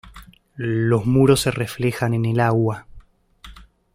Los muros se reflejan en el agua.